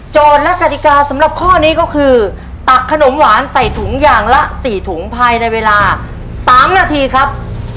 และกติกาสำหรับข้อนี้ก็คือตักขนมหวานใส่ถุงอย่างละ๔ถุงภายในเวลา๓นาทีครับ